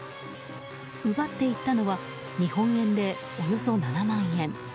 奪っていったのは日本円でおよそ７万円。